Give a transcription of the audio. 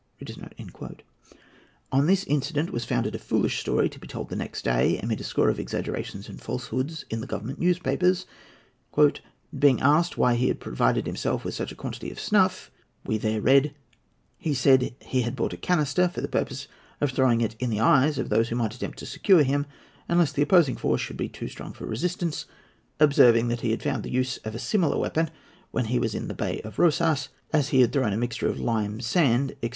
On this incident was founded a foolish story, to be told next day, amid a score of exaggerations and falsehoods, in the Government newspapers. "Being asked why he had provided himself with such a quantity of snuff," we there read, "he said he had bought a canister for the purpose of throwing it in the eyes of those who might attempt to secure him, unless the opposing force should be too strong for resistance, observing that he had found the use of a similar weapon when he was in the Bay of Rosas, as he had thrown a mixture of lime, sand, &c.